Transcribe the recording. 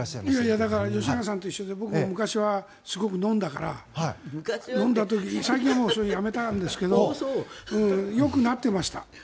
だから吉永さんと一緒で僕も昔はすごく飲んだから最近はやめたんですけどよくなってました。